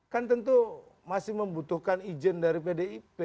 kan tentu masih membutuhkan izin dari pdip